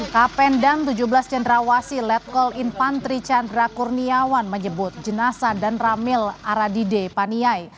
kapen dan tujuh belas cendrawasi letkol infantri chandra kurniawan menyebut jenasa dan ramil aradide paniai